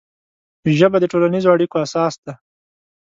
ژبه د ټولنیزو اړیکو اساس ده